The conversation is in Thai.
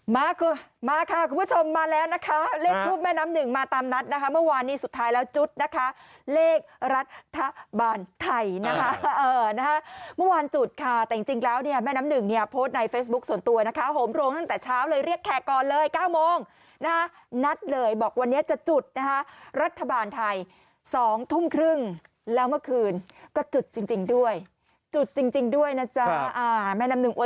มาคุณมาค่ะคุณผู้ชมมาแล้วนะคะเลขทุบแม่น้ำหนึ่งมาตามนัดนะคะเมื่อวานนี้สุดท้ายแล้วจุดนะคะเลขรัฐบาลไทยนะคะเออนะคะเมื่อวานจุดค่ะแต่จริงจริงแล้วเนี่ยแม่น้ำหนึ่งเนี่ยโพสต์ในเฟซบุ๊กส่วนตัวนะคะโหมโรงตั้งแต่เช้าเลยเรียกแขกก่อนเลยเก้าโมงนะคะนัดเลยบอกวันนี้จะจุดนะคะรัฐบาลไทยสองทุ่มครึ่งแล้วเมื่อคื